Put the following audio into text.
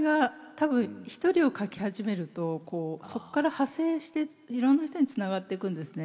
多分１人を書き始めるとそこから派生していろんな人につながっていくんですね。